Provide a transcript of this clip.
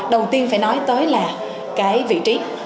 đầu tiên phải nói tới là cái vị trí